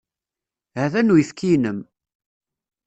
Ha-t-an uyefki-inem.